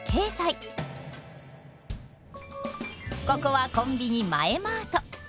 ここはコンビニマエマート。